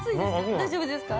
◆大丈夫ですか？